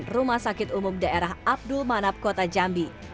rumah sakit umum daerah abdul manab kota jambi